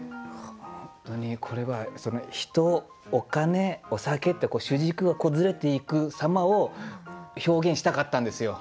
本当にこれは「人」「お金」「お酒」って主軸がずれていく様を表現したかったんですよ。